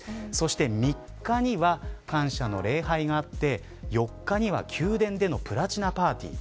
３日には、感謝の礼拝４日には宮殿でのプラチナパーティー